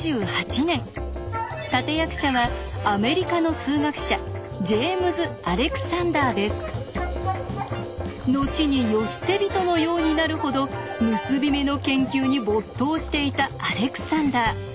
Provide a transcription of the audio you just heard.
立て役者はアメリカの数学者後に世捨て人のようになるほど結び目の研究に没頭していたアレクサンダー。